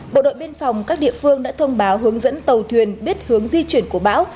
bộ đội biên phòng các địa phương đã thông báo hướng dẫn tàu thuyền biết hướng di chuyển của bão